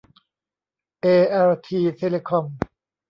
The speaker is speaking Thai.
เอแอลที เทเลคอม